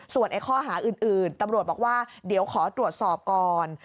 ส่วนข้อหาอื่นตำรวจบอกว่าเดี๋ยวขอตรวจสอบก่อน